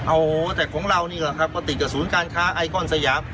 โอ้โหแต่ของเรานี่แหละครับก็ติดกับศูนย์การค้าไอคอนสยาม